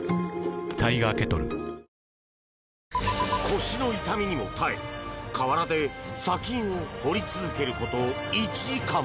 腰の痛みにも耐え河原で砂金を掘り続けること１時間。